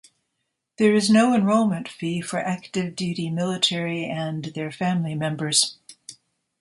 There is no enrollment fee for active duty military and their family members.